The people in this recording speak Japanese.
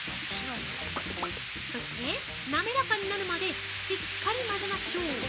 そして、滑らかになるまでしっかり混ぜましょう。